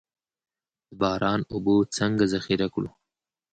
د باران اوبه څنګه ذخیره کړو؟